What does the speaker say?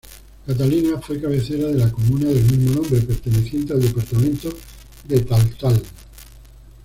Catalina fue cabecera de la comuna del mismo nombre, perteneciente al Departamento de Taltal.